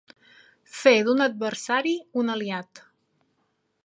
Fer d'un adversari un aliat.